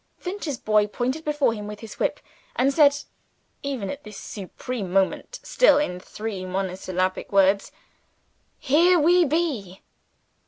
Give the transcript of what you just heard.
Finch's boy pointed before him with his whip, and said (even at this supreme moment, still in three monosyllabic words): "Here we be!"